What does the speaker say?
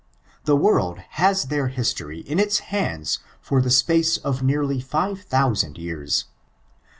The world haa their hiatory in ita handa for the space of nearly five thousand years.